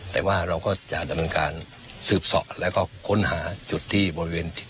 แต่ว่าเราก็จะดำเนินการสืบสอดแล้วก็ค้นหาจุดที่บริเวณ